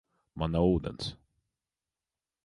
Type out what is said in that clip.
Man nav ūdens.